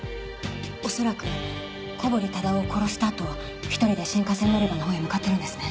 恐らく小堀忠夫を殺したあと１人で新幹線乗り場のほうへ向かってるんですね。